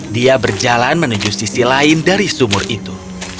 dia berjalan menuju sisi lain dari sumur itu